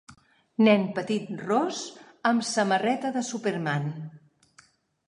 Nen petit ros amb samarreta de Superman.